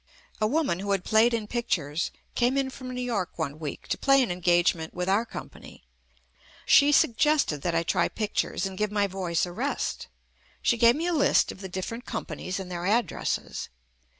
A woman, who had played in pic tures, come on from New York one week to play an engagement with our company. She suggested that I try pictures and give my voice a rest. She gave me a list of the different com panies and their addresses.